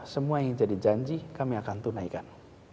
semua yang jadi janji kami akan tunaikan